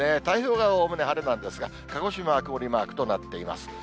太平洋側はおおむね晴れなんですが、鹿児島は曇りマークとなっています。